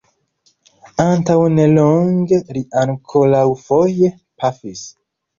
Antaŭnelonge li ankoraŭfoje pafis.